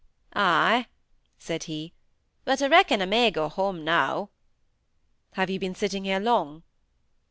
"Ay," said he. "But I reckon I may go home now." "Have you been sitting here long?"